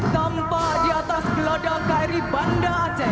tampak di atas geladang kri bandar aceh